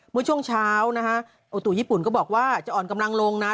เมื่อช่วงเช้านะฮะอุตุญี่ปุ่นก็บอกว่าจะอ่อนกำลังลงนะ